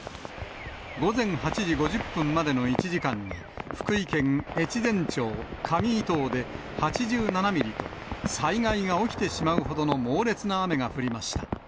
午前８時５０分までの１時間に、福井県越前町上糸生で８７ミリと、災害が起きてしまうほどの猛烈な雨が降りました。